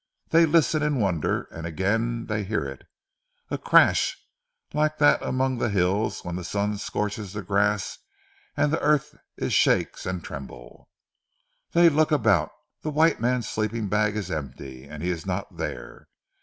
Dey listen in wonder and again dey hear it, a crash like dat among ze hills when the sun scorches ze grass an' ze earth it shake an' tremble. "Dey look about. Ze white man's sleeping bag it is empty, and he is not dere.